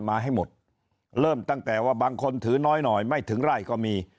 มาให้หมดเริ่มตั้งแต่ว่าบางคนถือน้อยหน่อยไม่ถึงไร่ก็มี